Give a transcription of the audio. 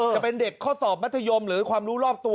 จะเป็นเด็กข้อสอบมัธยมหรือความรู้รอบตัว